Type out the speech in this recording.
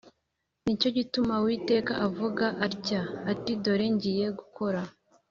Ni cyo gituma Uwiteka avuga atya ati Dore ngiye gukora